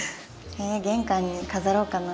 玄関に飾ろうかな。